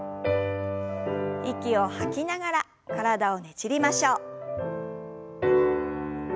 息を吐きながら体をねじりましょう。